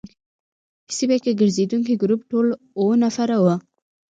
په سیمه کې ګرزېدونکي ګروپ ټول اووه نفره وو.